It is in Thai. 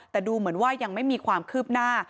แต่ดูเหมือนว่ายังไม่มีความคืบหน้า